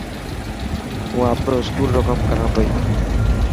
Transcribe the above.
هون آپرو اسڪول رو ڪم ڪران پئي.